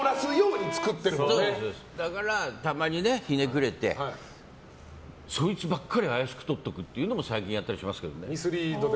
だからたまにひねくれてそいつばっかり怪しく撮っておくっていうのも最近やったりしますけどね。